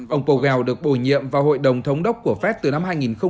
ông powell được bổ nhiệm vào hội đồng thống đốc của phép từ năm hai nghìn một mươi hai